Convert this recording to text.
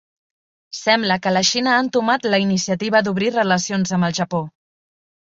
Sembla que la Xina ha entomat la iniciativa d'obrir relacions amb el Japó.